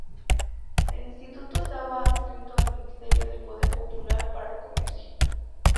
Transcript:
El instituto estaba adscrito al Ministerio del Poder Popular para el Comercio.